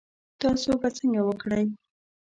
تاسو به څنګه وکړی؟